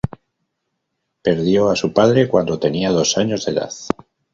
Perdió a su padre cuando tenía dos años de edad.